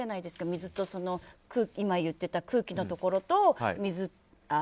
水と今言ってた空気のところと。